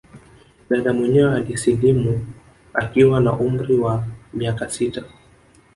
Dada mwenyewe alisilimu akiwa na umri wa miaka sita